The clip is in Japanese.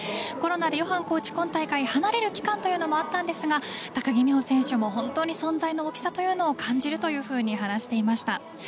コロナでヨハンコーチは今大会、離れる期間があったんですが高木美帆選手も本当に存在の大きさを感じるというふうに話していました。